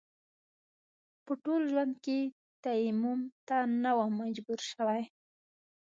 په ټول ژوند کې تيمم ته نه وم مجبور شوی.